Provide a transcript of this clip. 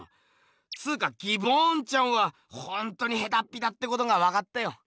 つかギボーンちゃんはほんとにヘタッピだってことがわかったよ。